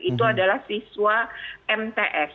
itu adalah siswa mts